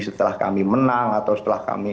setelah kami menang atau setelah kami